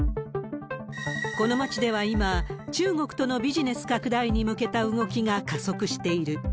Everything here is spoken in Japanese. この町では今、中国とのビジネス拡大に向けた動きが加速している。